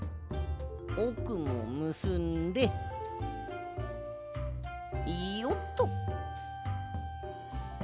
おくもむすんでよっと。